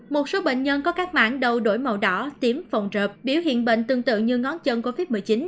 một số bệnh nhân có các mãng đầu đổi màu đỏ tím phòng rợp biểu hiện bệnh tương tự như ngón chân covid một mươi chín